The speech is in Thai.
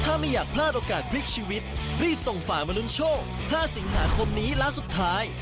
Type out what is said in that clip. ถ้าไม่อยากพลาดโอกาสพลิกชีวิตรีบส่งฝามาลุ้นโชค๕สิงหาคมนี้ร้านสุดท้าย